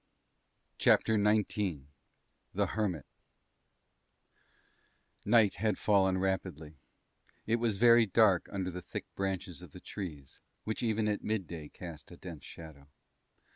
CHAPTER XIX THE HERMIT The night had fallen rapidly; it was very dark under the thick branches of the trees, which even at midday cast a dense shadow.